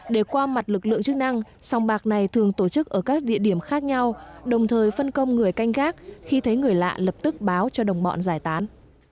để qua mặt lực lượng chức năng sông bạc này thường tổ chức ở các địa điểm khác nhau đồng thời phân công người canh gác khi thấy người lạ lập tức báo cho đồng bọn giải tán